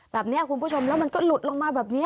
แบบนี้คุณผู้ชมแล้วมันก็หลุดลงมาแบบนี้